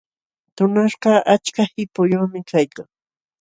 Tunaśhkaq achka qipuyuqmi kaykan.